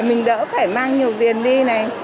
mình đỡ phải mang nhiều tiền đi này